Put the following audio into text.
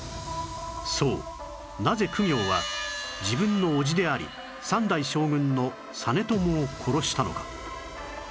そうなぜ公暁は自分の叔父であり三代将軍の実朝を殺したのか